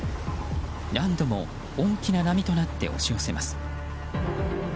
何度も大きな波となって押し寄せます。